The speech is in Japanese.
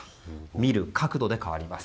見る角度で変わります。